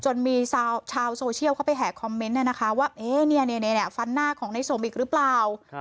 จนมีชาวโซเชียลเข้าไปแห่คอมเมนต์นี่นะคะว่าเนี่ยฟันหน้าของนายสมอีกหรือเปล่า